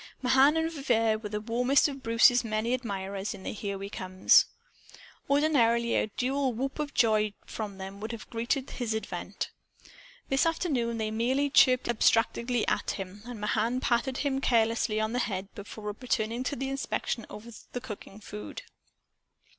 Mahan and Vivier were the warmest of Bruce's many admirers in the "Here We Comes." Ordinarily a dual whoop of joy from them would have greeted his advent. This afternoon they merely chirped abstractedly at him, and Mahan patted him carelessly on the head before returning to the inspection of the cooking food.